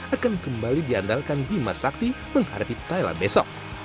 akan kembali diandalkan bimasakti menghadapi thailand besok